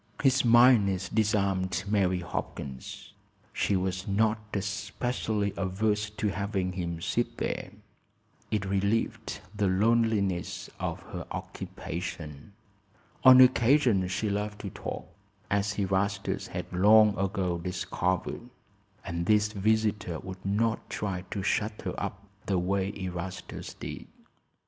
His mildness disarmed Mary Hopkins. She was not especially averse to having him sit there. It relieved the loneliness of her occupation. On occasions she loved to talk, as Erastus had long ago discovered; and this visitor would not try to shut her up the way Erastus did.